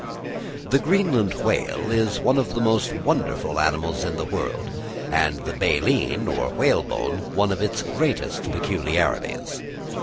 The Greenland whale is one of the most wonderful animals in the world, and the baleen, or whalebone, one of its greatest peculiarities.